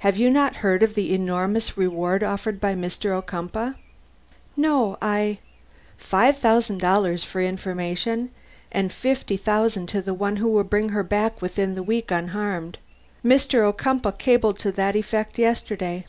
Have you not heard of the enormous reward offered by Mr. Ocumpaugh?" "No; I " "Five thousand dollars for information; and fifty thousand to the one who will bring her back within the week unharmed. Mr. Ocumpaugh cabled to that effect yesterday."